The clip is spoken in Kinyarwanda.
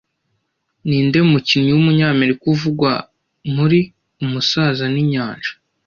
Ninde mukinnyi wumunyamerika uvugwa muri Umusaza ninyanja